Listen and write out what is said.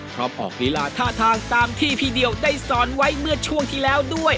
ออกลีลาท่าทางตามที่พี่เดียวได้สอนไว้เมื่อช่วงที่แล้วด้วย